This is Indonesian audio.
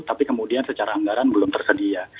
tapi kemudian secara anggaran belum tersedia